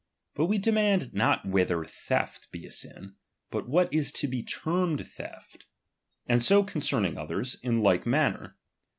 But we demand not whether theft be a sin, bj^t what is to be termed theft ; and so concerning DOMINION. 19/ '*'t"liers, in like manner.